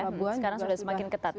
sekarang sudah semakin ketat